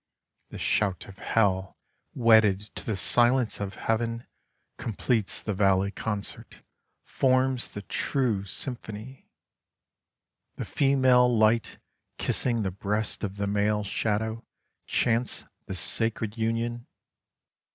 The Shout of Hell wedded to the Silence of Heaven completes Song of Day in Yosemite Valley 2 1 the Valley concert, forms the true symphony — The Female light kissing the breast of the Male shadow chants the sacred Union